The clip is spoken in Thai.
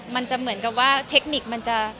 มันจะเหมือนกับว่าเทคนิคมันจะ